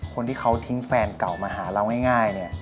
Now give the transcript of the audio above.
คนที่เค้าทิ้งแฟนเก่ามันหาเราง่าย